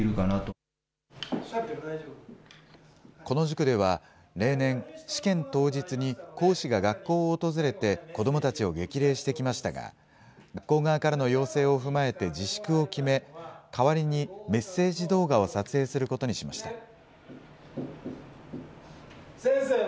この塾では、例年、試験当日に講師が学校を訪れて子どもたちを激励してきましたが、学校側からの要請を踏まえて自粛を決め、代わりに、メッセージ動画を撮影することにしました。